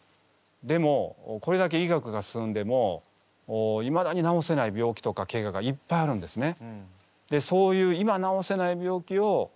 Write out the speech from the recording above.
でもこれだけ医学が進んでもいまだに治せない病気とかけががいっぱいあるんですね。